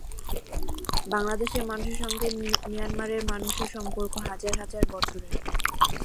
বাংলাদেশের মানুষের সঙ্গে মিয়ানমারের মানুষের সম্পর্ক হাজার হাজার বছরের।